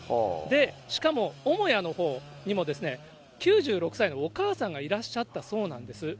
しかも母屋のほうにも９６歳のお母さんがいらっしゃったそうなんです。